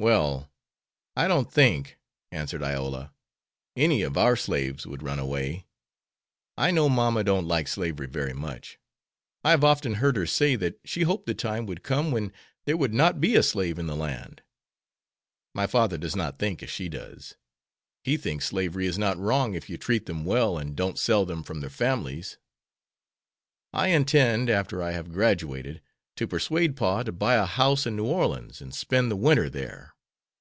"Well, I don't think," answered Iola, "any of our slaves would run away. I know mamma don't like slavery very much. I have often heard her say that she hoped the time would come when there would not be a slave in the land. My father does not think as she does. He thinks slavery is not wrong if you treat them well and don't sell them from their families. I intend, after I have graduated, to persuade pa to buy a house in New Orleans, and spend the winter there.